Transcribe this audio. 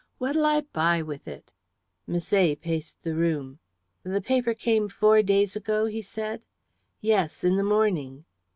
What'll I buy with it?" Misset paced the room. "The paper came four days ago?" he said. "Yes, in the morning."